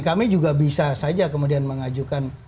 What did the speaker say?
kami juga bisa saja kemudian mengajukan